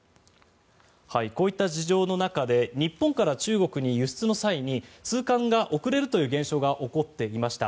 こういった事情の中で日本から中国に輸出の際に通関が遅れるという現象が起こっていました。